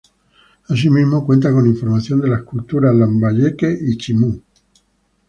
Así mismo cuenta con información de las culturas lambayeque y chimú.